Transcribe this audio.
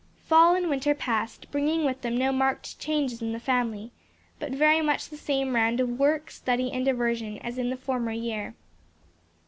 Fall and winter passed, bringing with them no marked changes in the family, but very much the same round of work, study and diversion as in the former year.